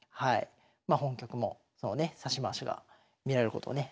まあ本局もそのね指し回しが見られることをね